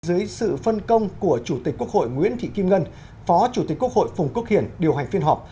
dưới sự phân công của chủ tịch quốc hội nguyễn thị kim ngân phó chủ tịch quốc hội phùng quốc hiển điều hành phiên họp